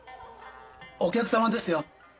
お客様ですよ。